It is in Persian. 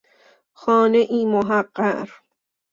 خانهای محقر